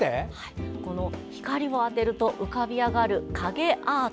この光を当てると浮かび上がる影アート。